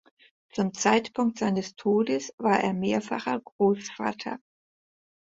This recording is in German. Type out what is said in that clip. Zum Zeitpunkt seines Todes war er mehrfacher Großvater.